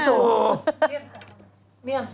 เร็วนี่เอง